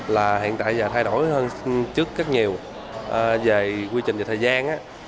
là hiện tại giờ thay đổi hơn trước rất nhiều về quy trình và thời gian